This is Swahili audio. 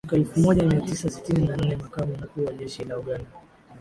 mwaka elfu moja mia tisa sitini na nne Makamu Mkuu wa Jeshi la Uganda